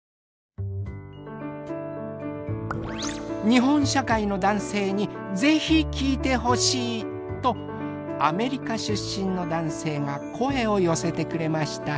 日本社会の男性に是非聞いてほしいとアメリカ出身の男性が声を寄せてくれました。